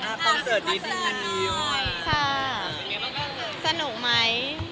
เออค่ะค่ะสนุกไหม